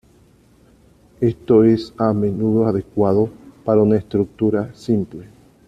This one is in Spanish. Esto es a menudo adecuado para una estructura simple.